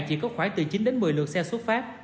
chỉ có khoảng từ chín đến một mươi lượt xe xuất phát